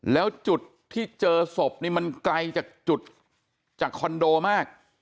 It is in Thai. แล้วจุดที่เจอศพนี่มันไกลจากจุดจากคอนโดมาก